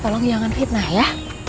tolong jangan fitnah ya